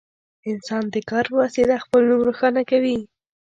انسان د کار په وسیله خپل نوم روښانه کوي.